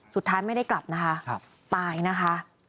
สุดท้ายไม่ได้กลับนะคะตายนะคะ